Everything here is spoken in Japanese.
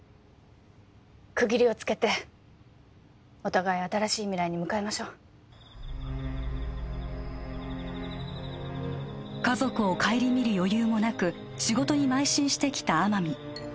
区切りをつけてお互い新しい未来に向かいましょう家族を顧みる余裕もなく仕事にまい進してきた天海